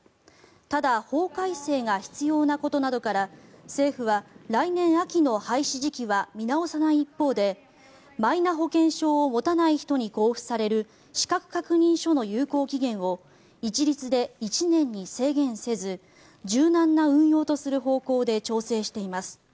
ただ、法改正が必要なことなどから政府は来年秋の廃止時期は見直さない一方でマイナ保険証を持たない人に交付される資格確認書の有効期限を一律で１年に制限せず柔軟な運用とする方向で調整しています。